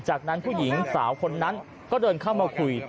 จากนั้นผู้หญิงสาวคนนั้นก็เดินเข้ามาคุย